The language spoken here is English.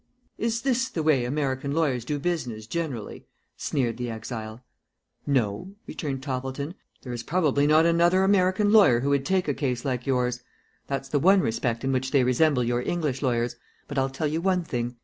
"Is this the way American lawyers do business generally?" sneered the exile. "No," returned Toppleton; "there is probably not another American lawyer who would take a case like yours. That's the one respect in which they resemble your English lawyers, but I'll tell you one thing.